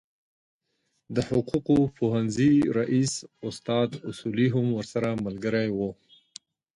د حقوقو پوهنځي رئیس استاد اصولي هم ورسره ملګری و.